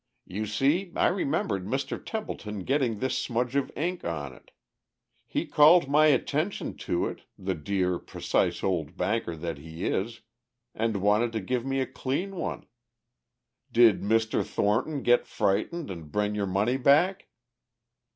"You see I remembered Mr. Templeton getting this smudge of ink on it. He called my attention to it, the dear, precise old banker that he is, and wanted to give me a clean one. Did Mr. Thornton get frightened and bring your money back?"